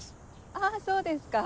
あぁそうですか。